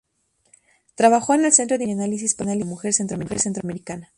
Trabajó con el Centro de Información y Análisis para la Mujer Centroamericana.